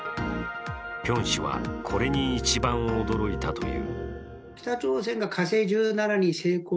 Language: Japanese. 辺氏はこれに一番驚いたという。